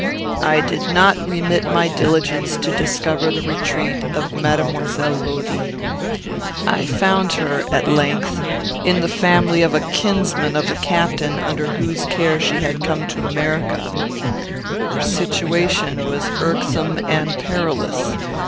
"I did not remit my diligence to discover the retreat of Mademoiselle Lodi. I found her, at length, in the family of a kinsman of the captain under whose care she had come to America. Her situation was irksome and perilous.